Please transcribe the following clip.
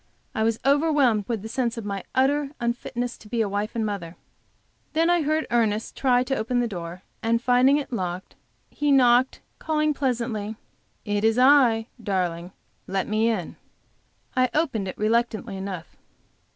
I was overwhelmed with the sense of my utter unfitness to be a wife and a mother. Then I heard Ernest try to open the door; and finding it locked, he knocked, calling pleasantly: "It is I, darling; let me in." I opened it reluctantly enough.